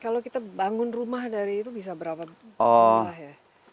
kalau kita bangun rumah dari itu bisa berapa jumlah ya